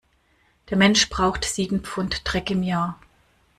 Der Mensch braucht sieben Pfund Dreck im Jahr.